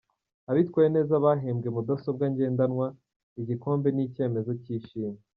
Abitwaye neza bahembwe mudasobwa ngendanwa, igikombe na icyemezo cy’ishimwe.